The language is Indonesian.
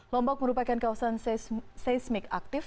lombok merupakan kawasan seismik aktif